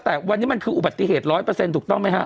แต่วันนี้มันคืออุบัติเหตุ๑๐๐ถูกต้องไหมฮะ